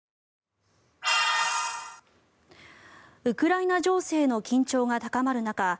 ウクライナ情勢の緊張が高まる中